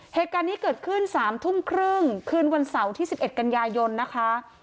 เหตุการณ์นี้เกิดขึ้นสามทุ่มครึ่งคืนวันเสาร์ที่สิบเอ็ดกัญญายนต์นะคะ